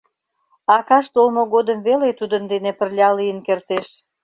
Акаж толмо годым веле тудын дене пырля лийын кертеш.